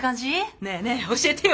ねえねえ教えてよ。